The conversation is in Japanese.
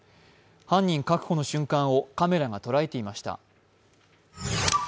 犯人確保の瞬間を、カメラがとらえていました。